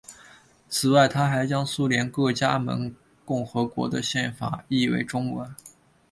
此外他还将苏联各加盟共和国的宪法译为中文。